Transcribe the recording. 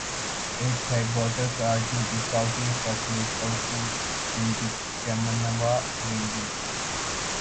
Its headwaters are to the southeast of Lake Taupo in the Kaimanawa Ranges.